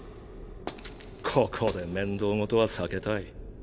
ここで面倒事は避けたい。